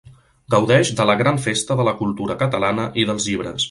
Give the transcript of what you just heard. Gaudeix de la gran festa de la cultura catalana i dels llibres.